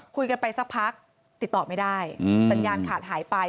คุยกันไปสักพักติดต่อไม่ได้สัญญาณขาดหายไป